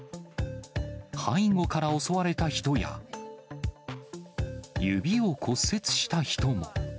背後から襲われた人や指を骨折した人も。